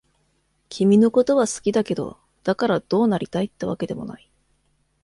君のことは好きだけど、だからどうなりたいってわけでもない。